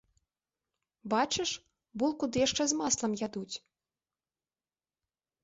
Бачыш, булку ды яшчэ з маслам ядуць.